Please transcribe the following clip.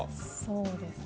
そうですね